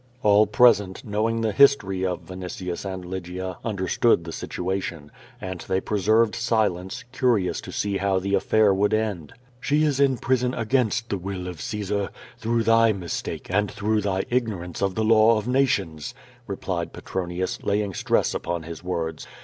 All present, knowing the history of Vinitius and Lygia, understood the situation, and they preserved silence, curious to see how the affair would end. "She is in prison against the will of Caesar, through thy mistake, and through thy ignorance of the law of nations," replied Petronius, laying stress upon his words.